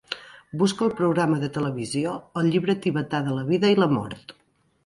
busca el programa de televisió El llibre tibetà de la vida i la mort